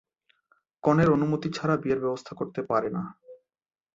কনের অনুমতি ছাড়া বিয়ের ব্যবস্থা করতে পারে না।